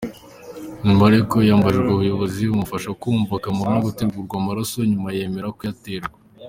Nyuma ariko hiyambajwe ubuyobozi bumufasha kumva akamaro ko guterwa amaraso, nyuma yemera kuyaterwa.